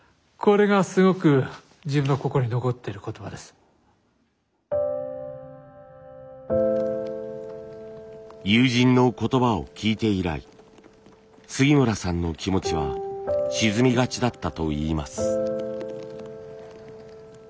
僕の友人の言葉を聞いて以来杉村さんの気持ちは沈みがちだったといいます。